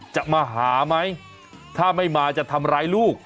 จะมาหาไหมถ้าไม่มาจะทำร้ายลูก